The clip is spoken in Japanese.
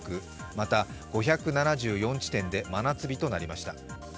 また５７４地点で真夏日となりました